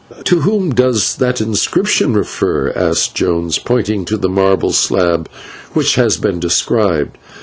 "To whom does that inscription refer?" asked Jones, pointing to the marble slab which has been described.